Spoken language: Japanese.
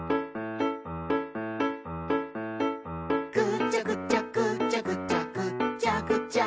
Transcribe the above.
「ぐちゃぐちゃぐちゃぐちゃぐっちゃぐちゃ」